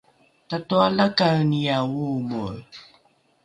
tatoalakaenine oomoe